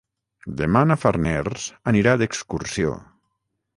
Demà na Farners anirà d'excursió.